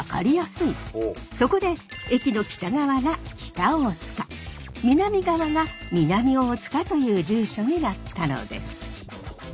そこで駅の北側が北大塚南側が南大塚という住所になったのです。